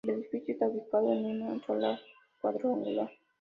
El edificio está ubicado en un solar cuadrangular.